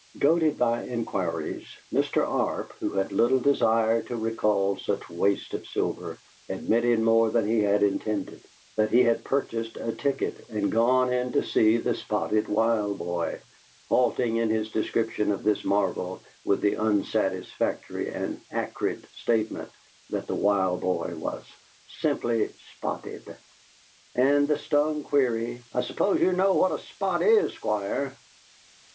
Goaded by inquiries, Mr. Arp, who had little desire to recall such waste of silver, admitted more than he had intended: that he had purchased a ticket and gone in to see the Spotted Wild Boy, halting in his description of this marvel with the unsatisfactory and acrid statement that the Wild Boy was "simply SPOTTED," and the stung query, "I suppose you know what a spot IS, Squire?"